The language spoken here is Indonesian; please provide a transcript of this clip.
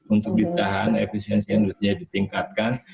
untuk ditahan efisiensi energinya ditingkatkan